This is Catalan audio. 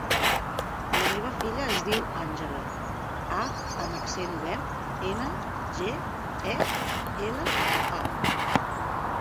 La meva filla es diu Àngela: a amb accent obert, ena, ge, e, ela, a.